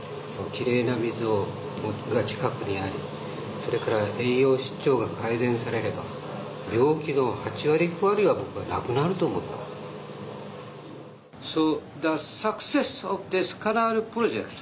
きれいな水が近くにありそれから栄養失調が改善されれば病気の８割、９割は僕は、なくなると思います。